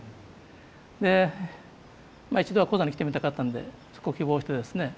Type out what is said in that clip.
で一度はコザに来てみたかったんでそこを希望してですね